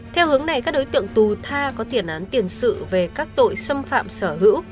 theo hướng này các đối tượng tù tha có tiền án tiền sự về các tội xâm phạm sở hữu